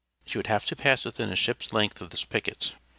She would have to pass within a ship's length of this picket.